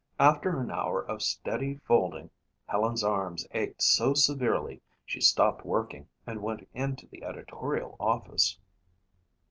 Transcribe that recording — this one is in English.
After an hour of steady folding Helen's arms ached so severely she stopped working and went into the editorial office.